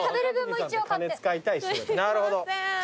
なるほど。